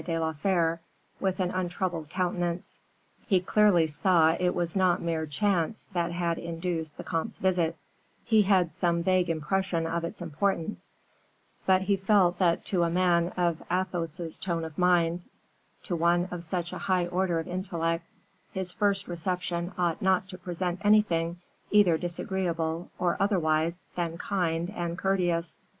de la Fere with an untroubled countenance. He clearly saw it was not mere chance that had induced the comte's visit, he had some vague impression of its importance; but he felt that to a man of Athos's tone of mind, to one of such a high order of intellect, his first reception ought not to present anything either disagreeable or otherwise than kind and courteous.